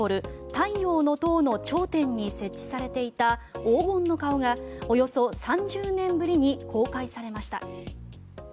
太陽の塔の頂点に設置されていた黄金の顔がおよそ３０年ぶりに公開されました。